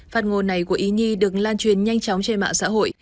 phát ngôn này của ý nhi được lan truyền nhanh chóng trên mạng xã hội